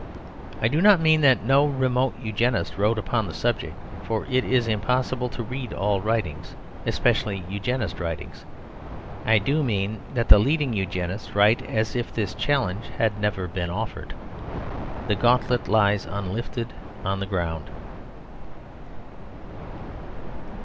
I do not mean that no remote Eugenist wrote upon the subject; for it is impossible to read all writings, especially Eugenist writings. I do mean that the leading Eugenists write as if this challenge had never been offered. The gauntlet lies unlifted on the ground.